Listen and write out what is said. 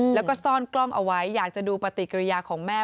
แล้วก็ซ่อนกล้องเอาไว้อยากจะดูปฏิกิริยาของแม่